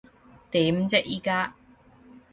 點啫依家？